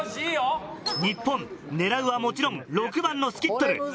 日本狙うはもちろん６番のスキットル。